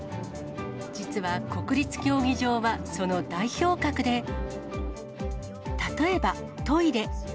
実は国立競技場はその代表格で、例えば、トイレ。